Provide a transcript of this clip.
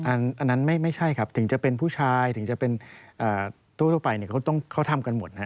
อันนั้นไม่ใช่ครับถึงเป็นผู้ชายทั้งที่เขาทำกันหมด